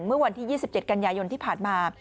เมื่อวันที่๒๗กันยายนที่ผ่านมา